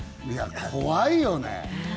怖いよね。